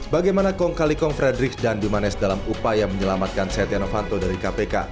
bagaimana kongkalikong frederick dan bimanes dalam upaya menyelamatkan setia novanto dari kpk